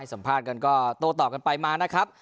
สัมภาษณ์กันก็โต้ตอบกันไปมานะครับ